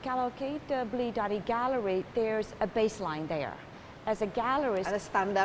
kalau kita beli dari galeri ada asasnya di sana